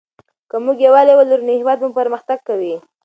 که موږ یووالي ولرو نو هېواد مو پرمختګ کوي.